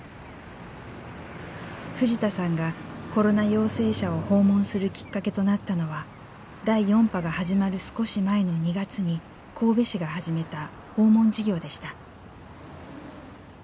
藤田さんがコロナ陽性者を訪問するきっかけとなったのは第４波が始まる少し前の２月に神戸市が始めた訪問事業でした。